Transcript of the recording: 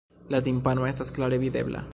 La timpano estas klare videbla.